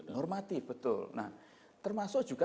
normatif betul nah termasuk juga